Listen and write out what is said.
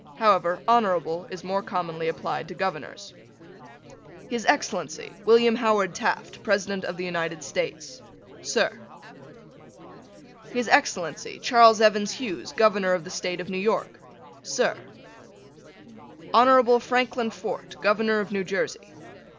However, Honorable is more commonly applied to Governors: His Excellency, William Howard Taft, President of the United States. Sir: His Excellency, Charles Evans Hughes, Governor of the State of New York. Sir: Honorable Franklin Fort, Governor of New Jersey.